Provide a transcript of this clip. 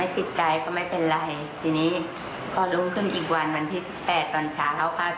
ผมขอโทษครับ